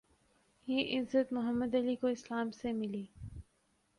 یہ عزت Muhammad Ali کو اسلام سے ملی